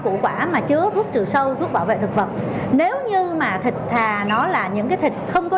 củ quả mà chứa thuốc trừ sâu thuốc bảo vệ thực vật nếu như mà thịt thà nó là những cái thịt không có